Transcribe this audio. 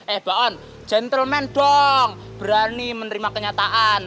eh baon gentlemen dong berani menerima kenyataan